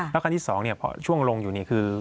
แล้วกันที่๒เนี่ยช่วงลงอยู่เนี่ยคือ